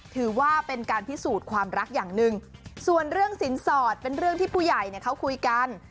ถือว่าเป็นการพิสูจน์ความรักอย่างหนึ่งส่วนเรื่องสินสอดเป็นเรื่องที่ผู้ใหญ่เนี่ยเขาคุยกัน